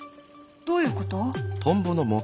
どういうこと？